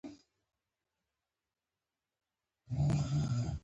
د افغانستان کرهڼه پخوانی تاریخ لري .